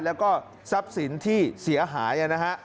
แล้วก็ทรัพย์สินที่เสียหายนะฮะ